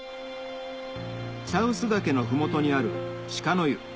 茶臼岳の麓にある鹿の湯